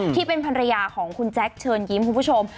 ที่เป็นภรรยาของคุณแจ๊คเชิญยิ้มคุณผู้ชม